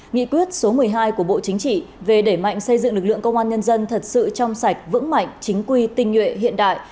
nghị quyết số một mươi hai của bộ chính trị về đẩy mạnh xây dựng lực lượng công an nhân dân thật sự trong sạch vững mạnh chính quy tinh nhuệ hiện đại